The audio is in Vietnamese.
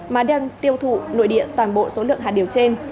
mà đang tiêu thụ nội địa toàn bộ số lượng hạt điều trên